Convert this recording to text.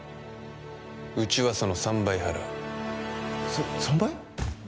うちはその３倍払う３３倍！？